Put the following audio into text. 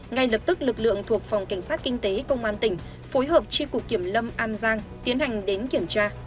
ngay lập tức lực lượng thuộc phòng cảnh sát kinh tế công an tỉnh phối hợp tri cục kiểm lâm an giang tiến hành đến kiểm tra